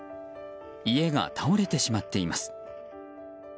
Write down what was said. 家が倒れてしまっています。